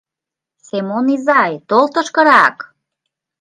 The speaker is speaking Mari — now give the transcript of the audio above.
Семон изай, тол тышкырак!